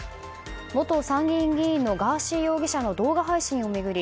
元参議院議員のガーシー容疑者の動画配信を巡り